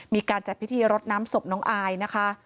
มีการจัดพิธีรดน้ำศพน้องอายนะคะ